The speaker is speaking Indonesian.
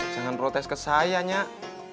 jangan protes ke saya nyak